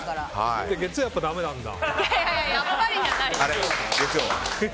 月曜日はやっぱりダメなんだ。